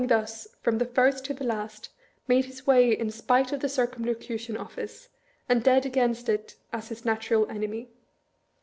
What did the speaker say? By his having thus, from the first to the last, made his way in spite of the Cir cumlocution Office, and dead against it as his natural enemj'.